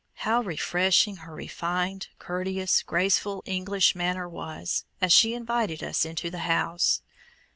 how refreshing her refined, courteous, graceful English manner was, as she invited us into the house!